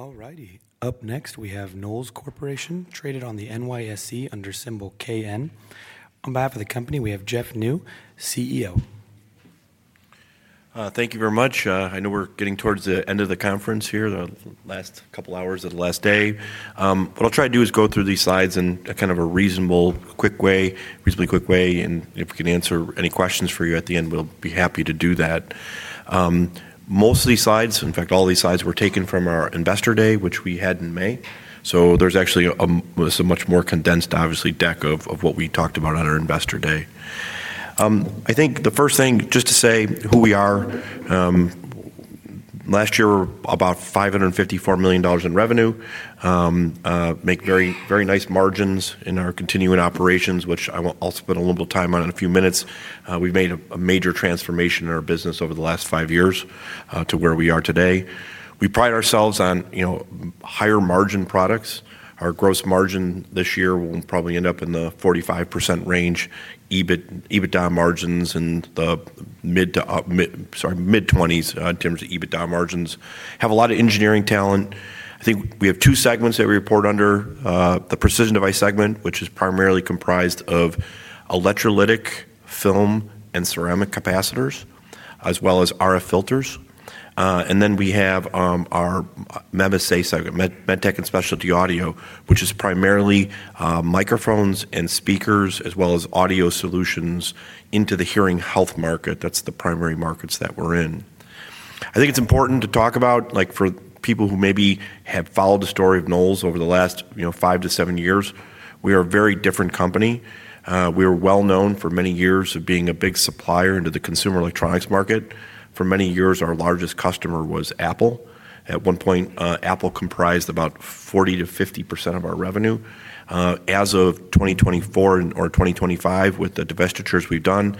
Alrighty, up next we have Knowles Corporation, traded on the NYSE under symbol KN. On behalf of the company, we have Jeffrey Niew, CEO. Thank you very much. I know we're getting towards the end of the conference here, the last couple hours of the last day. What I'll try to do is go through these slides in kind of a reasonable, quick way, reasonably quick way, and if we can answer any questions for you at the end, we'll be happy to do that. Most of these slides, in fact, all these slides were taken from our Investor Day, which we had in May, so there's actually a much more condensed, obviously, deck of what we talked about on our Investor Day. I think the first thing, just to say who we are, last year we were about $554 million in revenue, made very nice margins in our continuing operations, which I'll spend a little bit of time on in a few minutes. We've made a major transformation in our business over the last five years to where we are today. We pride ourselves on higher margin products. Our gross margin this year will probably end up in the 45% range, EBITDA margins in the mid 20s in terms of EBITDA margins. Have a lot of engineering talent. I think we have two segments that we report under: the Precision Devices segment, which is primarily comprised of electrolytic, film, and ceramic capacitors, as well as RF filters. Then we have our MedTech and Specialty Audio, which is primarily microphones and speakers, as well as audio solutions into the hearing health market. That's the primary markets that we're in. I think it's important to talk about, like for people who maybe have followed the story of Knowles over the last five to seven years, we are a very different company. We were well known for many years of being a big supplier into the consumer electronics market. For many years, our largest customer was Apple. At one point, Apple comprised about 40%-50% of our revenue. As of 2024 or 2025, with the divestitures we've done,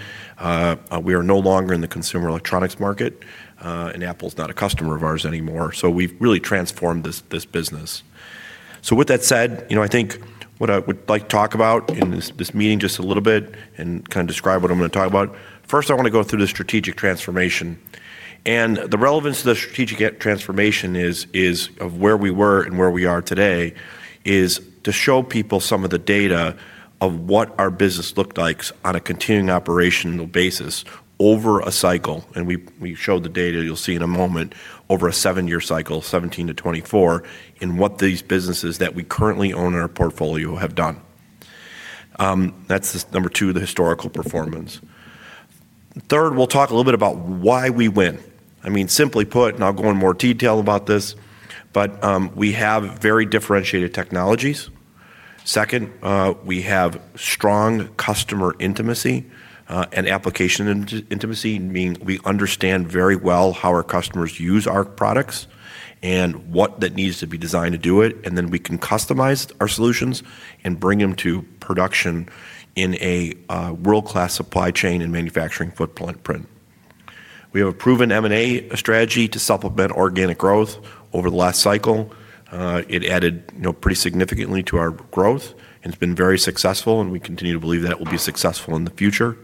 we are no longer in the consumer electronics market, and Apple's not a customer of ours anymore. We've really transformed this business. With that said, I think what I would like to talk about in this meeting just a little bit and kind of describe what I'm going to talk about. First, I want to go through the strategic transformation. The relevance of the strategic transformation is of where we were and where we are today is to show people some of the data of what our business looked like on a continuing operational basis over a cycle. We showed the data you'll see in a moment over a seven-year cycle, 2017-2024, in what these businesses that we currently own in our portfolio have done. That's the number two of the historical performance. Third, we'll talk a little bit about why we win. Simply put, and I'll go in more detail about this, we have very differentiated technologies. Second, we have strong customer intimacy and application intimacy, meaning we understand very well how our customers use our products and what that needs to be designed to do it. We can customize our solutions and bring them to production in a world-class supply chain and manufacturing footprint. We have a proven M&A strategy to supplement organic growth over the last cycle. It added pretty significantly to our growth and has been very successful, and we continue to believe that it will be successful in the future.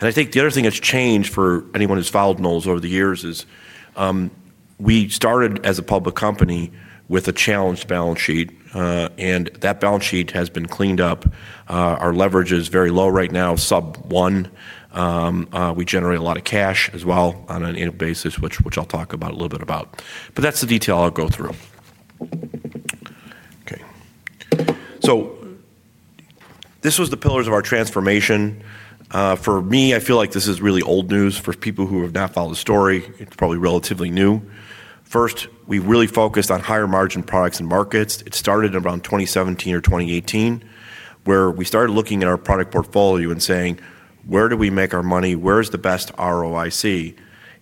I think the other thing that's changed for anyone who's followed Knowles over the years is we started as a public company with a challenged balance sheet, and that balance sheet has been cleaned up. Our leverage is very low right now, sub-1. We generate a lot of cash as well on an annual basis, which I'll talk a little bit about. That's the detail I'll go through. This was the pillars of our transformation. For me, I feel like this is really old news. For people who have not followed the story, it's probably relatively new. First, we really focused on higher margin products and markets. It started around 2017 or 2018, where we started looking at our product portfolio and saying, where do we make our money? Where's the best ROIC?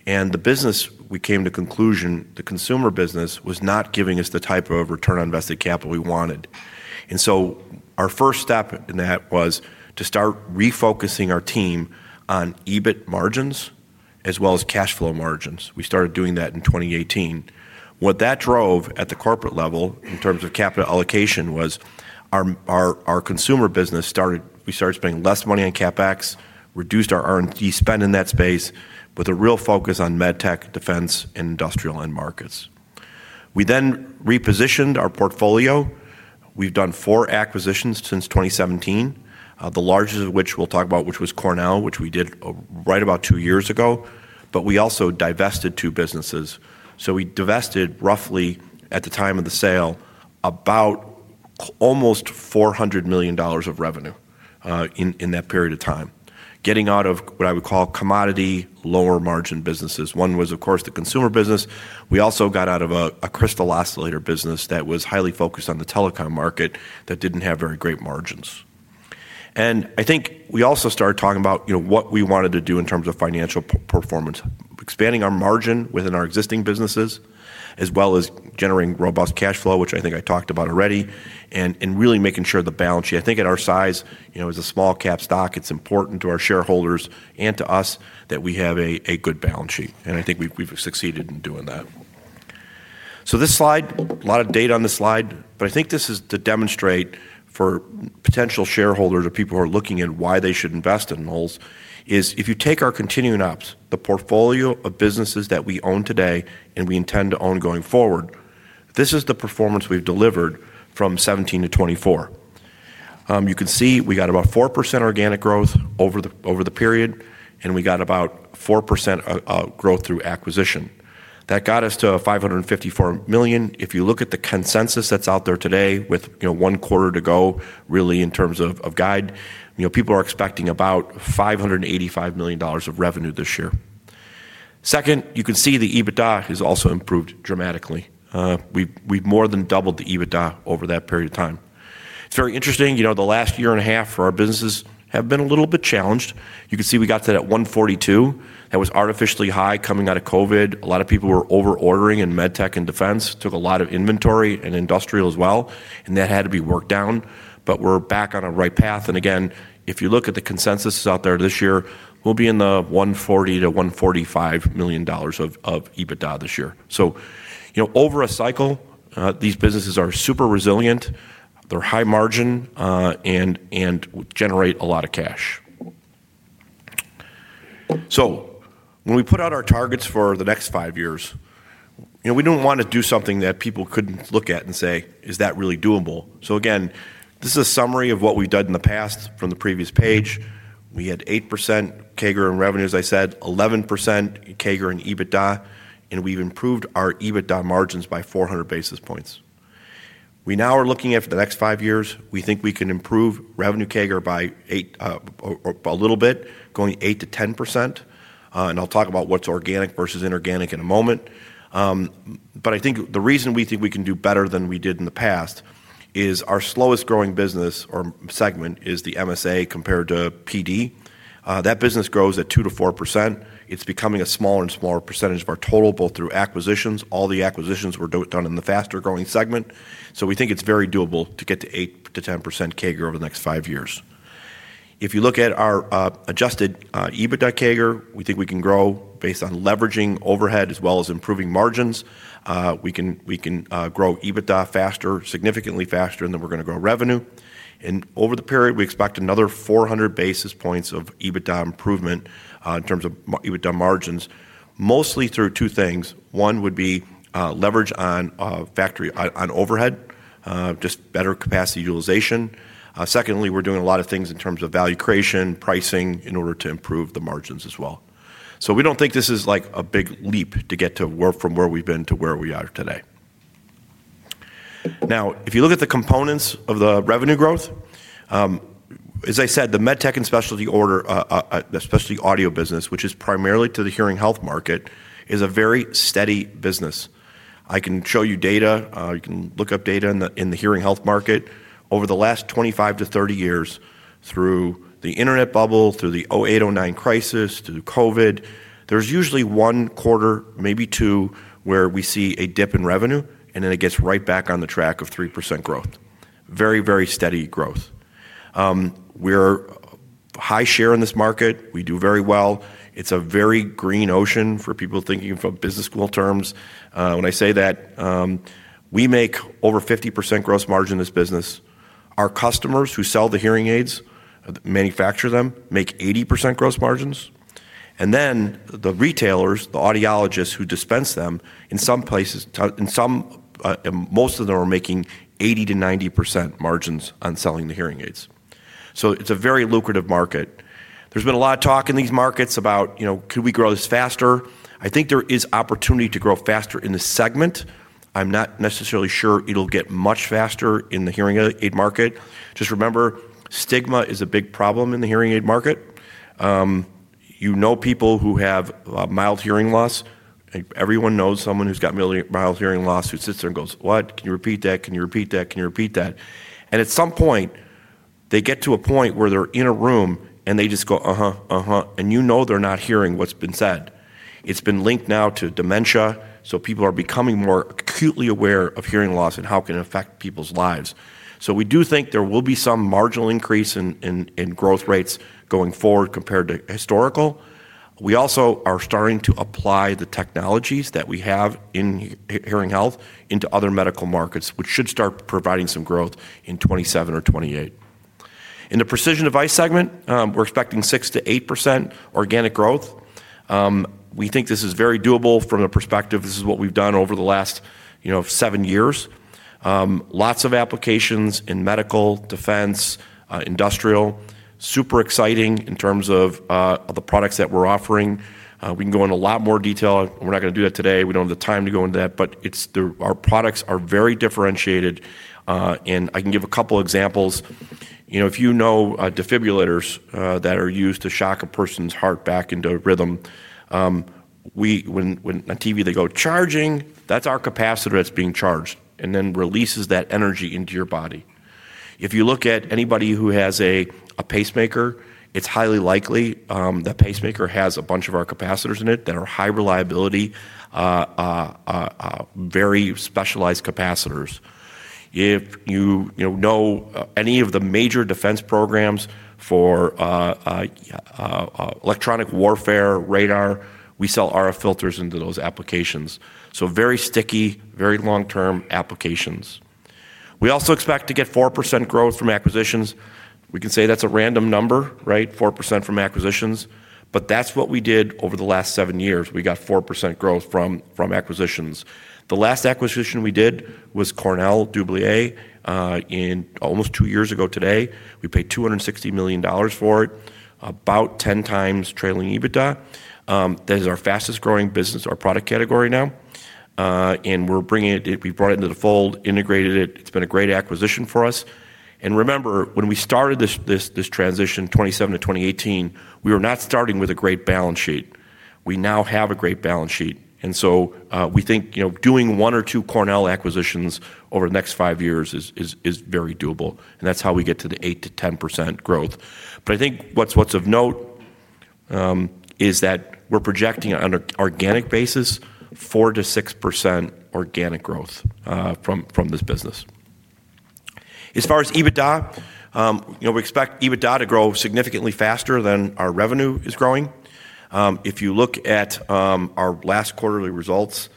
The business, we came to the conclusion the consumer business was not giving us the type of return on invested capital we wanted. Our first step in that was to start refocusing our team on EBIT margins as well as cash flow margins. We started doing that in 2018. What that drove at the corporate level in terms of capital allocation was our consumer business started, we started spending less money on CapEx, reduced our R&D spend in that space, with a real focus on MedTech, defense, and industrial end markets. We then repositioned our portfolio. We've done four acquisitions since 2017, the largest of which we'll talk about, which was Cornell which we did right about two years ago. We also divested two businesses. We divested roughly at the time of the sale about almost $400 million of revenue in that period of time, getting out of what I would call commodity lower margin businesses. One was, of course, the consumer business. We also got out of a crystal oscillator business that was highly focused on the telecom market that didn't have very great margins. I think we also started talking about what we wanted to do in terms of financial performance, expanding our margin within our existing businesses, as well as generating robust cash flow, which I think I talked about already, and really making sure the balance sheet, I think at our size, you know, as a small cap stock, it's important to our shareholders and to us that we have a good balance sheet. I think we've succeeded in doing that. This slide, a lot of data on this slide, but I think this is to demonstrate for potential shareholders or people who are looking at why they should invest in Knowles is if you take our continuing ops, the portfolio of businesses that we own today and we intend to own going forward, this is the performance we've delivered from 2017 to 2024. You can see we got about 4% organic growth over the period, and we got about 4% growth through acquisition. That got us to $554 million. If you look at the consensus that's out there today with one quarter to go, really in terms of guide, you know, people are expecting about $585 million of revenue this year. You can see the EBITDA has also improved dramatically. We've more than doubled the EBITDA over that period of time. It's very interesting, you know, the last year and a half for our businesses have been a little bit challenged. You can see we got to that at $142 million. That was artificially high coming out of COVID. A lot of people were over-ordering in MedTech and defense, took a lot of inventory and industrial as well, and that had to be worked down. We're back on our right path. If you look at the consensus out there this year, we'll be in the $140 million-$145 million of EBITDA this year. Over a cycle, these businesses are super resilient, they're high margin, and generate a lot of cash. When we put out our targets for the next five years, you know, we don't want to do something that people couldn't look at and say, is that really doable? This is a summary of what we've done in the past from the previous page. We had 8% CAGR in revenues, I said, 11% CAGR in EBITDA, and we've improved our EBITDA margins by 400 basis points. We now are looking at for the next five years, we think we can improve revenue CAGR by a little bit, going 8%-10%. I'll talk about what's organic verses inorganic in a moment. I think the reason we think we can do better than we did in the past is our slowest growing business or segment is the MSA compared to Precision Devices. That business grows at 2%-4%. It's becoming a smaller and smaller percentage of our total, both through acquisitions. All the acquisitions were done in the faster growing segment. We think it's very doable to get to 8%-10% CAGR over the next five years. If you look at our adjusted EBITDA CAGR, we think we can grow based on leveraging overhead as well as improving margins. We can grow EBITDA faster, significantly faster, and then we're going to grow revenue. Over the period, we expect another 400 basis points of EBITDA improvement in terms of EBITDA margins, mostly through two things. One would be leverage on factory on overhead, just better capacity utilization. Secondly, we're doing a lot of things in terms of value creation, pricing in order to improve the margins as well. We don't think this is like a big leap to get to from where we've been to where we are today. Now, if you look at the components of the revenue growth, as I said, the MedTech and Specialty Audio business, which is primarily to the hearing health market, is a very steady business. I can show you data. You can look up data in the hearing health market. Over the last 25-30 years, through the internet bubble, through the 2008, 2009 crisis, through COVID, there's usually one quarter, maybe two, where we see a dip in revenue, and then it gets right back on the track of 3% growth. Very, very steady growth. We're high share in this market. We do very well. It's a very green ocean for people thinking about business school terms. When I say that, we make over 50% gross margin in this business. Our customers who sell the hearing aids, manufacture them, make 80% gross margins. The retailers, the audiologists who dispense them, in some places, in some, most of them are making 80%-90% margins on selling the hearing aids. It's a very lucrative market. There's been a lot of talk in these markets about, you know, can we grow this faster? I think there is opportunity to grow faster in this segment. I'm not necessarily sure it'll get much faster in the hearing aid market. Just remember, stigma is a big problem in the hearing aid market. You know, people who have mild hearing loss, everyone knows someone who's got mild hearing loss who sits there and goes, "What? Can you repeat that? Can you repeat that? Can you repeat that?" At some point, they get to a point where they're in a room and they just go, "Uh-huh, uh-huh." You know they're not hearing what's been said. It's been linked now to dementia. People are becoming more acutely aware of hearing loss and how it can affect people's lives. We do think there will be some marginal increase in growth rates going forward compared to historical. We also are starting to apply the technologies that we have in hearing health into other medical markets, which should start providing some growth in 2027 or 2028. In the Precision Devices segment, we're expecting 6%-8% organic growth. We think this is very doable from the perspective this is what we've done over the last seven years. Lots of applications in medical, defense, industrial, super exciting in terms of the products that we're offering. We can go into a lot more detail. We're not going to do that today. We don't have the time to go into that, but our products are very differentiated. I can give a couple of examples. If you know defibrillators that are used to shock a person's heart back into rhythm, when on TV they go, "Charging," that's our capacitor that's being charged and then releases that energy into your body. If you look at anybody who has a pacemaker, it's highly likely that pacemaker has a bunch of our capacitors in it that are high reliability, very specialized capacitors. If you know any of the major defense programs for electronic warfare, radar, we sell RF filters into those applications. Very sticky, very long-term applications. We also expect to get 4% growth from acquisitions. We can say that's a random number, right? 4% from acquisitions. That's what we did over the last seven years. We got 4% growth from acquisitions. The last acquisition we did was Cornell Dubilier almost two years ago today. We paid $260 million for it, about 10x trailing EBITDA. That is our fastest growing business, our product category now. We're bringing it, we brought it into the fold, integrated it. It's been a great acquisition for us. Remember, when we started this transition, 2017-2018, we were not starting with a great balance sheet. We now have a great balance sheet. We think, you know, doing one or two Cornell acquisitions over the next five years is very doable. That's how we get to the 8%-10% growth. I think what's of note is that we're projecting on an organic basis, 4%-6% organic growth from this business. As far as EBITDA, we expect EBITDA to grow significantly faster than our revenue is growing. If you look at our last quarterly results,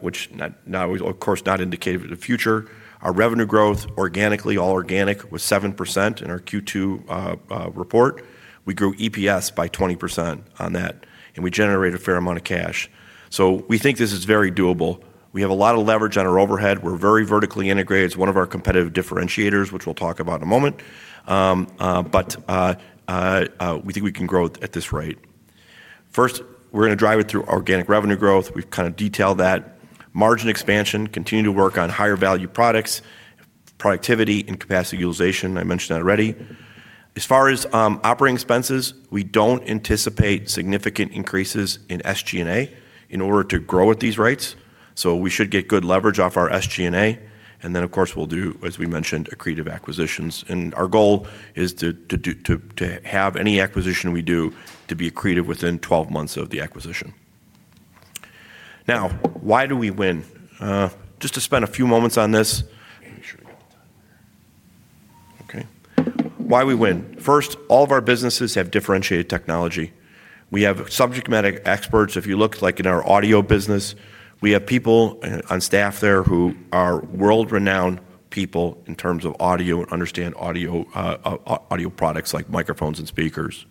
which of course is not indicative of the future, our revenue growth organically, all organic, was 7% in our Q2 report. We grew EPS by 20% on that. We generate a fair amount of cash. We think this is very doable. We have a lot of leverage on our overhead. We're very vertically integrated. It's one of our competitive differentiators, which we'll talk about in a moment. We think we can grow at this rate. First, we're going to drive it through organic revenue growth. We've kind of detailed that. Margin expansion, continue to work on higher value products, productivity, and capacity utilization. I mentioned that already. As far as operating expenses, we don't anticipate significant increases in SG&A in order to grow at these rates. We should get good leverage off our SG&A. Of course, we'll do, as we mentioned, accretive acquisitions. Our goal is to have any acquisition we do to be accretive within 12 months of the acquisition. Now, why do we win? Just to spend a few moments on this. Why we win? First, all of our businesses have differentiated technology. We have subject matter experts. If you look like in our audio business, we have people on staff there who are world-renowned people in terms of audio and understand audio products like microphones and speakers.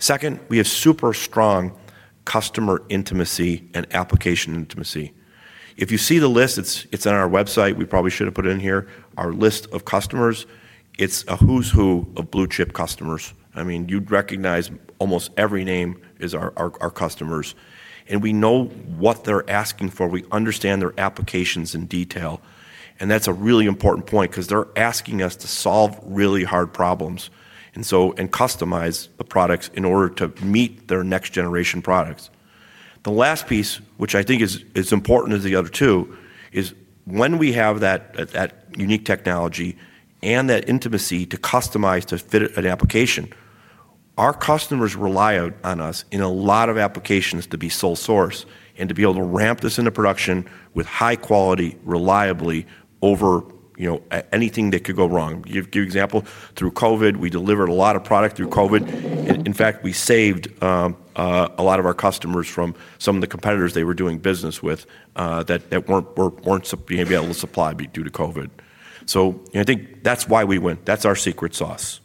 Second, we have super strong customer intimacy and application intimacy. If you see the list, it's on our website. We probably should have put it in here, our list of customers. It's a who's who of blue chip customers. I mean, you'd recognize almost every name is our customers. We know what they're asking for. We understand their applications in detail. That's a really important point because they're asking us to solve really hard problems and customize the products in order to meet their next generation products. The last piece, which I think is important to the other two, is when we have that unique technology and that intimacy to customize to fit an application, our customers rely on us in a lot of applications to be sole source and to be able to ramp this into production with high quality, reliably, over anything that could go wrong. To give you an example, through COVID, we delivered a lot of product through COVID. In fact, we saved a lot of our customers from some of the competitors they were doing business with that weren't able to supply due to COVID. I think that's why we win. That's our secret sauce.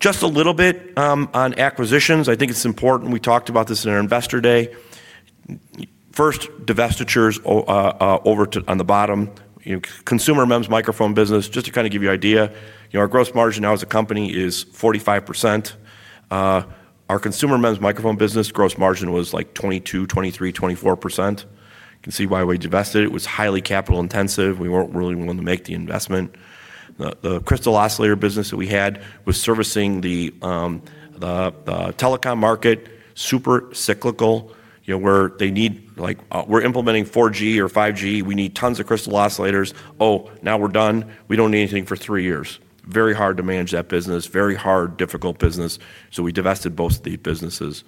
Just a little bit on acquisitions. I think it's important. We talked about this in our Investor Day. First, divestitures over to on the bottom. Consumer MEMS microphone business, just to kind of give you an idea, our gross margin now as a company is 45%. Our consumer MEMS microphone business gross margin was like 22%, 23%, 24%. You can see why we divested. It was highly capital intensive. We weren't really willing to make the investment. The crystal oscillator business that we had was servicing the telecom market, super cyclical, where they need, like we're implementing 4G or 5G. We need tons of crystal oscillators. Oh, now we're done. We don't need anything for three years. Very hard to manage that business. Very hard, difficult business. We divested both of these businesses.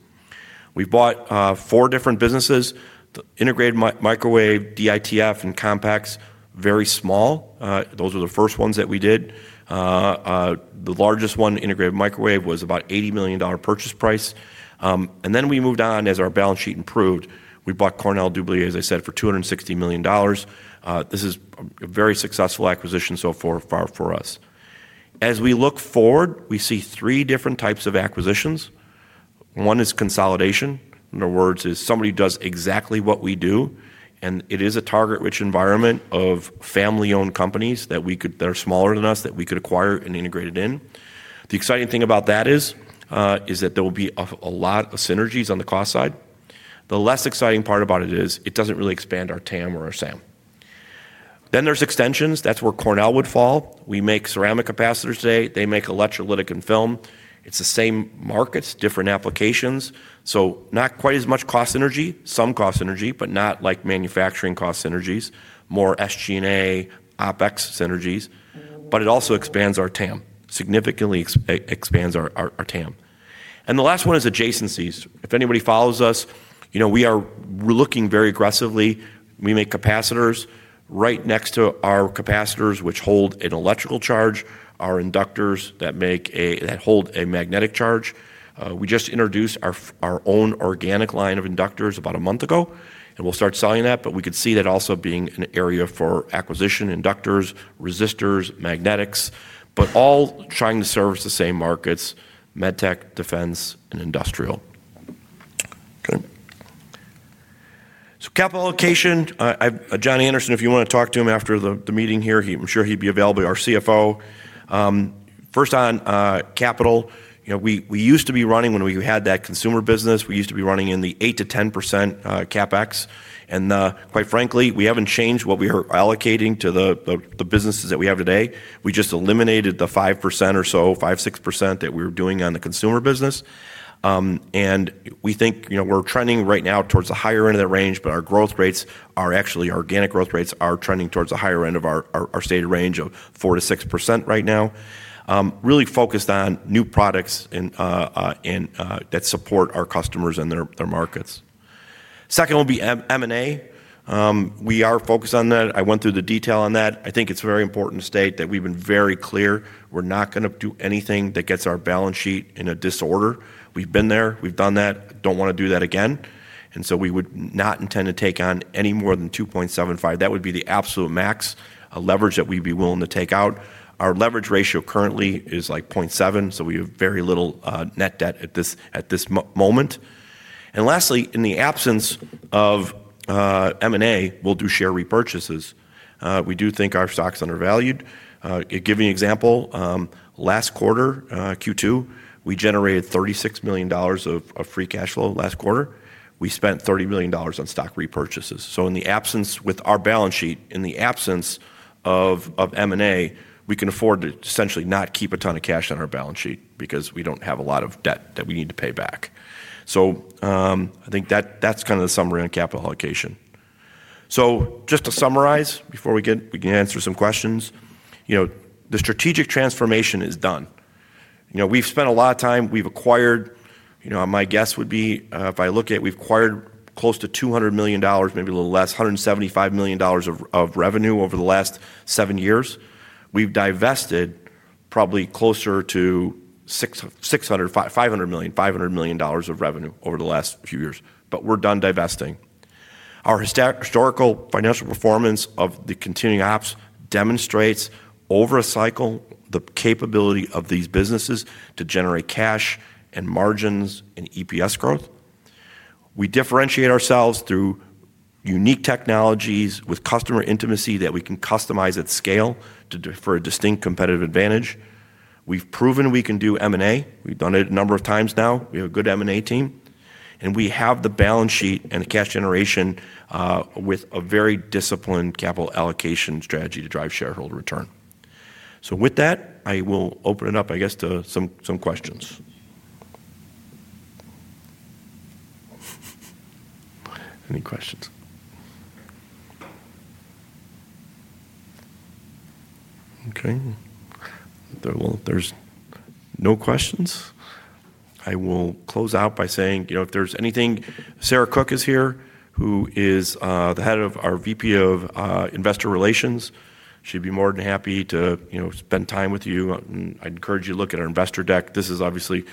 We bought four different businesses: the Integrated Microwave, DITF, and Compax. Very small. Those were the first ones that we did. The largest one, Integrated Microwave, was about $80 million purchase price. We moved on as our balance sheet improved. We bought Cornell Dubilier, as I said, for $260 million. This is a very successful acquisition so far for us. As we look forward, we see three different types of acquisitions. One is consolidation. In other words, is somebody does exactly what we do. It is a target-rich environment of family-owned companies that are smaller than us that we could acquire and integrate it in. The exciting thing about that is that there will be a lot of synergies on the cost side. The less exciting part about it is it doesn't really expand our TAM or our SAM. Then there's extensions. That's where Cornell would fall. We make ceramic capacitors today. They make electrolytic and film. It's the same markets, different applications. Not quite as much cost synergy. Some cost synergy, but not like manufacturing cost synergies, more SG&A, OpEx synergies. It also expands our TAM, significantly expands our TAM. The last one is adjacencies. If anybody follows us, you know, we are looking very aggressively. We make capacitors. Right next to our capacitors, which hold an electrical charge, are inductors that hold a magnetic charge. We just introduced our own organic line of inductors about a month ago, and we'll start selling that. We could see that also being an area for acquisition: inductors, resistors, magnetics, but all trying to service the same markets: MedTech, defense, and industrial. Capital allocation, John Anderson, if you want to talk to him after the meeting here, I'm sure he'd be available, our CFO. First on capital, you know, we used to be running, when we had that consumer business, we used to be running in the 8%-10% CapEx. Quite frankly, we haven't changed what we are allocating to the businesses that we have today. We just eliminated the 5% or so, 5%, 6% that we were doing on the consumer business. We think we're trending right now towards the higher end of that range, but our growth rates are actually, our organic growth rates are trending towards the higher end of our stated range of 4%-6% right now, really focused on new products that support our customers and their markets. Second will be M&A. We are focused on that. I went through the detail on that. I think it's very important to state that we've been very clear. We're not going to do anything that gets our balance sheet in a disorder. We've been there. We've done that. Don't want to do that again. We would not intend to take on any more than 2.75. That would be the absolute max of leverage that we'd be willing to take out. Our leverage ratio currently is like 0.7, so we have very little net debt at this moment. Lastly, in the absence of M&A, we'll do share repurchases. We do think our stock's undervalued. Giving an example, last quarter, Q2, we generated $36 million of free cash flow last quarter. We spent $30 million on stock repurchases. In the absence, with our balance sheet, in the absence of M&A, we can afford to essentially not keep a ton of cash on our balance sheet because we don't have a lot of debt that we need to pay back. I think that's kind of the summary on capital allocation. Just to summarize, before we get, we can answer some questions. You know, the strategic transformation is done. We've spent a lot of time, we've acquired, my guess would be, if I look at it, we've acquired close to $200 million, maybe a little less, $175 million of revenue over the last seven years. We've divested probably closer to $500 million of revenue over the last few years. We're done divesting. Our historical financial performance of the continuing ops demonstrates over a cycle the capability of these businesses to generate cash and margins and EPS growth. We differentiate ourselves through unique technologies with customer intimacy that we can customize at scale for a distinct competitive advantage. We've proven we can do M&A. We've done it a number of times now. We have a good M&A team. We have the balance sheet and the cash generation with a very disciplined capital allocation strategy to drive shareholder return. With that, I will open it up, I guess, to some questions. Any questions? If there's no questions, I will close out by saying, if there's anything, Sarah Cook is here, who is the VP of Investor Relations. She'd be more than happy to spend time with you. I'd encourage you to look at our Investor Deck. This is obviously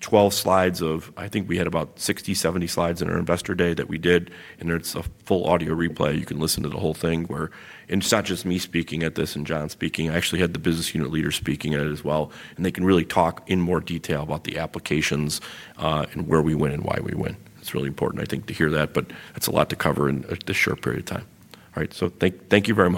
12 slides of, I think we had about 60, 70 slides in our Investor Day that we did. It's a full audio replay. You can listen to the whole thing where, and it's not just me speaking at this and John speaking. I actually had the business unit leader speaking at it as well. They can really talk in more detail about the applications and where we win and why we win. It's really important, I think, to hear that, but it's a lot to cover in a short period of time. All right, thank you very much.